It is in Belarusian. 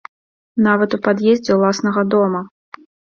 Нават у пад'ездзе ўласнага дома.